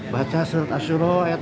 baca surat ashura ayat dua puluh